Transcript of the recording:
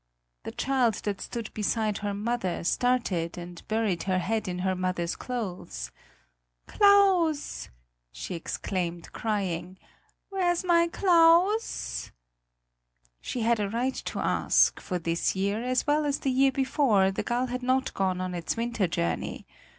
The child that stood beside her mother, started and buried her head in her mother's clothes. "Claus!" she exclaimed crying, "where's my Claus?" She had a right to ask, for this year, as well as the year before, the gull had not gone on its winter journey.